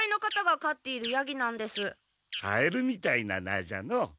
カエルみたいな名じゃのう。